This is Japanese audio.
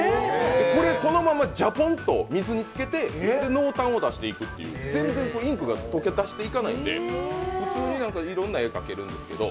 このままジャボンと水につけて濃淡を出していくっていう全然インクが溶け出していかないので、いろんな絵が描けるんですけど。